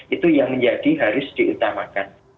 itu yang menjadi harus diutamakan